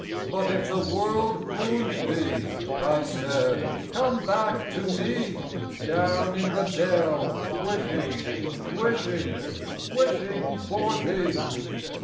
" But if the world wound thee," I said, "come back to me, Down in the dell wishing — wishing, wishing for thee."